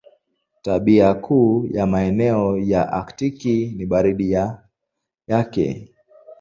Tabia kuu ya maeneo ya Aktiki ni baridi yake.